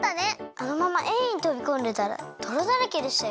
あのままＡにとびこんでたらどろだらけでしたよ！